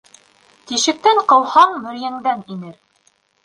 Тишектән ҡыуһаң, мөрйәңдән инер.